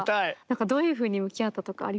どういうふうに向き合ったとかありますか？